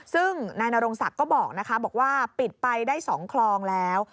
ซึ่งนายนรงศักดิ์ก็บอกนะคะบอกว่าปิดไปได้๒คลองแล้ว